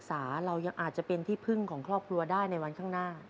การที่เราได้มีอนาจจะเป็นที่พึ่งของครอบครัวได้ในวันข้างหน้า